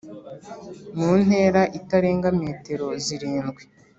mu ntera itarenga metero zirindwi